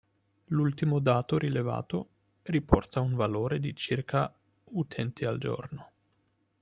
L'ultimo dato rilevato riporta un valore di circa utenti al giorno.